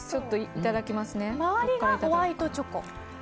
周りがホワイトチョコ。